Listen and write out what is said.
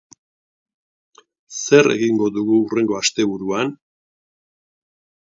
Zer egingo dugu hurrengo asteburuan?